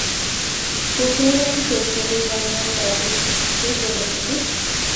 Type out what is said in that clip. ¿por qué habrá de crecer el daño para perjuicio de los reyes?